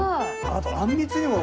あとあんみつも。